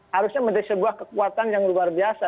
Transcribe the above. harusnya menjadi sebuah kekuatan yang luar biasa